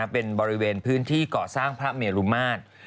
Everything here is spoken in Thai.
เป็นบริเวณพื้นที่ก่อสร้างพระเมลุมาตร